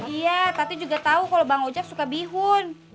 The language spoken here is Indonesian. iya tati juga tau kalau bang ojak suka bihun